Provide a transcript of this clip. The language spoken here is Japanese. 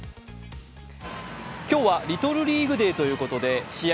今日はリトルリーグ・デーということで、試合